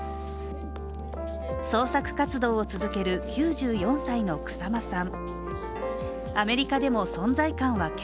創作活動を続ける９４歳の草間さん。